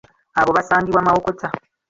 Abo basangibwa Mawokota.